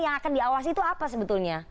yang akan diawasi itu apa sebetulnya